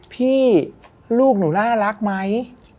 พี่ลูกหนูน่ารักไหม